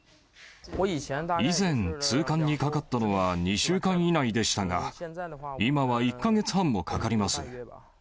以前、通関にかかったのは、２週間以内でしたが、今は１か月半もかかります。